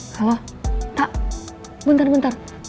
halo tak bentar bentar